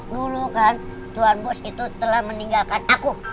dulu kan tuan bush itu telah meninggalkan aku